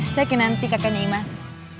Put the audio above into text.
saya ke nanti kakeknya imas